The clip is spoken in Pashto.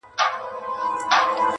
اوس ولي نه وايي چي ښار نه پرېږدو.